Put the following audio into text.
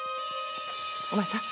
お前さん。